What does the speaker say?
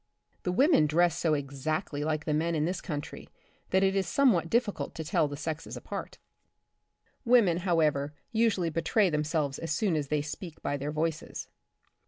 The women dress so exactly like the men in this country that it is somewhat difficult to tell the sexes apart. Women, however, usually betray themselves as soon as they speak by their voices.